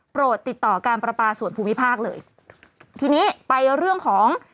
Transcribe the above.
ติดต่อการประปาส่วนภูมิภาคเลยทีนี้ไปเรื่องของ